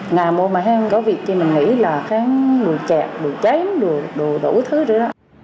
ngà mô mà hay không có vị trí mình nghĩ là kháng đồ chạy đồ cháy đồ đổ thứ